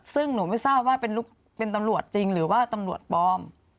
ซึ่งหนูไม่ทราบว่าเป็นตำรวจจริงหรือว่าตำรวจปลอม